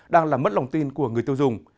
đang là mất lòng tin của người tiêu dùng